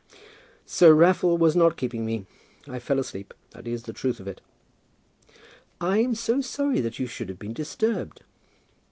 "Sir Raffle was not keeping me. I fell asleep. That is the truth of it." "I am so sorry that you should have been disturbed!"